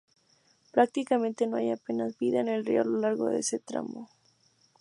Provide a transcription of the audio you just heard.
Prácticamente, no hay apenas vida en el río a lo largo de ese tramo.